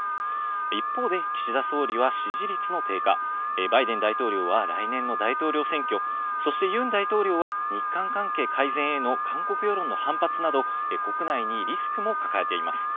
一方で岸田総理は支持率の低下、バイデン大統領は来年の大統領選挙、そしてユン大統領は日韓関係改善への韓国世論の反発など国内にリスクも抱えています。